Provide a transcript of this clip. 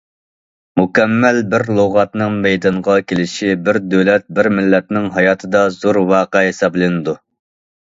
مۇكەممەل بىر لۇغەتنىڭ مەيدانغا كېلىشى بىر دۆلەت، بىر مىللەتنىڭ ھاياتىدا زور ۋەقە ھېسابلىنىدۇ.